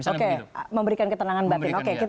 oke memberikan ketenangan batin